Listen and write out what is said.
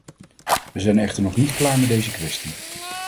We zijn echter nog niet klaar met deze kwestie.